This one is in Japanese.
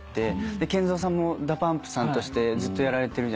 でＫＥＮＺＯさんもＤＡＰＵＭＰさんとしてずっとやられてるじゃないですか。